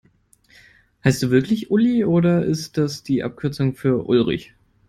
Heißt du wirklich Uli, oder ist das die Abkürzung für Ulrich?